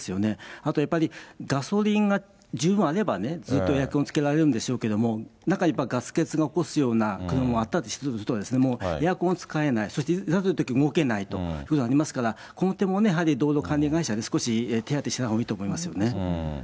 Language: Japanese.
あとやっぱり、ガソリンが十分あればずっとエアコンつけられるんでしょうけれども、中にはやっぱ、ガス欠起こすような車もあったとすると、もうエアコン使えない、そしていざというとき動けないということがありますから、この点もやはり道路管理会社ね、少し手当てしたほうがいいと思いますよ